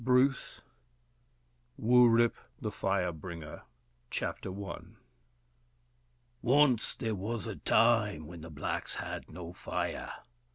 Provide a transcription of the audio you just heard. XIII WURIP, THE FIRE BRINGER Chapter I ONCE there was a time when the blacks had no fire.